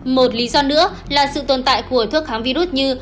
một lý do nữa là sự tồn tại của thuốc kháng virus như